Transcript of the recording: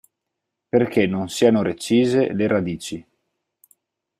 Perché non siano recise le radici.